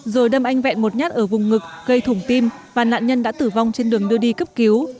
rồi đâm anh vẹn một nhát ở vùng ngực gây thủng tim và nạn nhân đã tử vong trên đường đưa đi cấp cứu